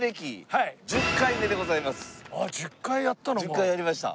１０回やりました。